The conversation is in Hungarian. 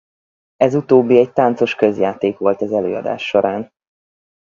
Ez utóbbi egy táncos közjáték volt az előadás során.